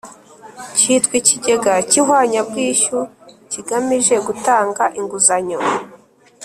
cyitwa Ikigega cy ihwanyabwishyu kigamije gutanga inguzanyo